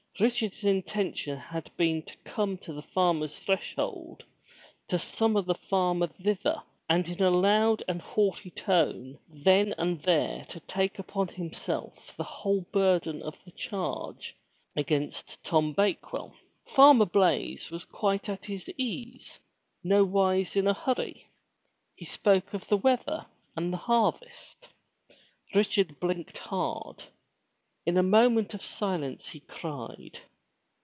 Richard's intention had been to come to the farmer's threshold, to summon the farmer thither and in a loud and haughty tone, then and there to take upon himself the whole burden of the charge against 245 M Y BOOK HOUSE Tom Bakewell. Farmer Blaize was quite at his ease, nowise in a hurry. He spoke of the weather and the harvest. Richard bUnked hard. In a moment of silence he cried.